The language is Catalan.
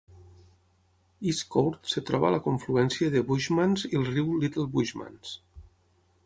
Estcourt es troba a la confluència de Bushmans i el riu Little Bushmans.